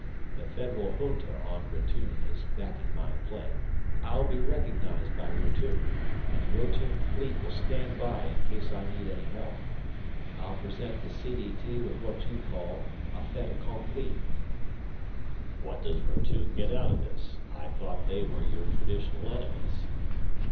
The Federal Junta on Rotune is backing my play. I'll be recognized by Rotune, and the Rotune fleet will stand by in case I need any help. I'll present the CDT with what you call a fait accompli." "What does Rotune get out of this? I thought they were your traditional enemies."